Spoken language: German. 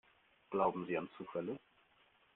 Glauben Sie an Zufälle?